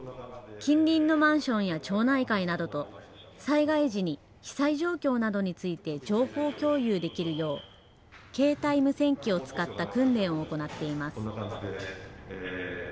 近隣のマンションや町内会などと、災害時に被災状況などについて情報共有をできるよう、携帯無線機を使った訓練を行っています。